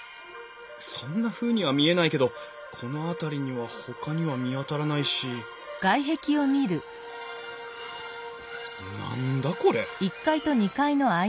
そんなふうには見えないけどこの辺りにはほかには見当たらないし何だこれ！？